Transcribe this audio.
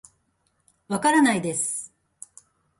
わからないです